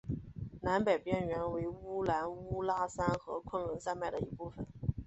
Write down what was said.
南北边缘为乌兰乌拉山和昆仑山脉的一部分。